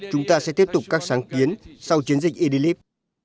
chúng ta sẽ tiếp tục các sáng kiến sau chiến dịch idlib